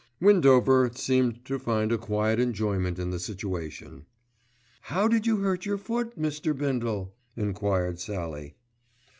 Windover seemed to find a quiet enjoyment in the situation. "How did you hurt your foot, Mr. Bindle?" enquired Sallie.